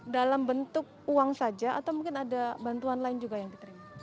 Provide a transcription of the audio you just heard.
dalam bentuk uang saja atau mungkin ada bantuan lain juga yang diterima